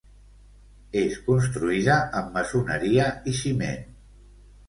És construïda amb maçoneria i ciment.